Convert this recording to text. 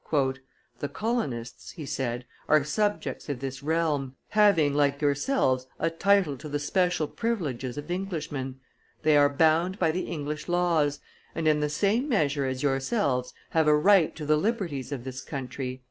"The colonists," he said, "are subjects of this realm, having, like yourselves, a title to the special privileges of Englishmen; they are bound by the English laws, and, in the same measure as yourselves, have a right to the liberties of this country.